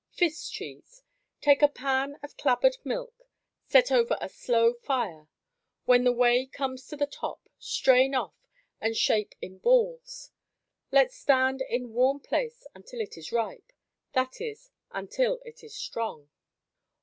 Fist Cheese Take a pan of clabbered milk. Set over a slow fire. When the whey comes to the top, strain off and shape in balls. Let stand in warm place until it is ripe that is, until it is strong.